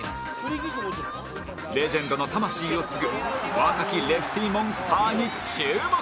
レジェンドの魂を継ぐ若きレフティモンスターに注目